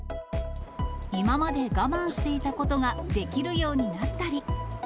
今まで我慢していたことができるようになったり。